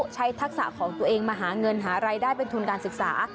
ทักษะของตัวเองมาหาเงินหารายได้เป็นทุนการศึกษา